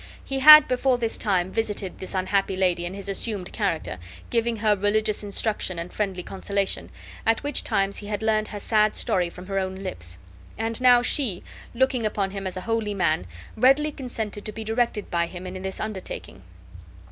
He had before this time visited this unhappy lady in his assumed character, giving her religious instruction and friendly consolation, at which times he had learned her sad story from her own lips; and now she, looking upon him as a holy man, readily consented to be directed by him in this undertaking.